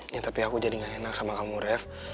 ya tapi aku jadi gak enak sama kamu ref